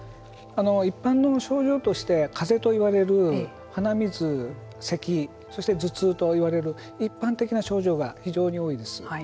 一般の症状としてかぜといわれる鼻水、せきそして頭痛といわれる一般的な症状が非常に多いです。